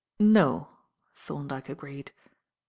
"No," Thorndyke agreed.